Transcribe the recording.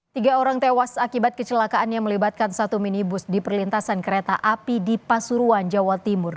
tiga orang tewas akibat kecelakaan yang melibatkan satu minibus di perlintasan kereta api di pasuruan jawa timur